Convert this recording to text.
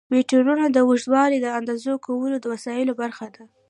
میټرونه د اوږدوالي د اندازه کولو د وسایلو برخه ده.